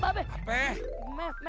mbak be mbak be